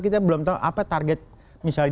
kita belum tahu apa target misalnya